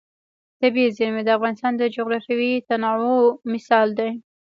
طبیعي زیرمې د افغانستان د جغرافیوي تنوع مثال دی.